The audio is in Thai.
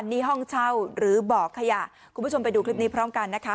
นี่ห้องเช่าหรือบ่อขยะคุณผู้ชมไปดูคลิปนี้พร้อมกันนะคะ